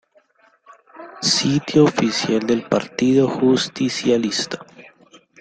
Sitio Oficial del Partido Justicialista